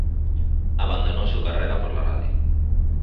Abandonó su carrera por la radio.